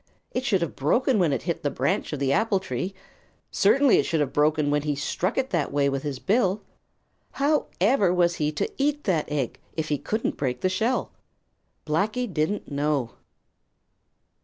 It should have broken when it hit the branch of the apple tree. Certainly it should have broken when he struck it that way with his bill. However was he to eat that egg, if he couldn't break the shell? Blacky didn't know.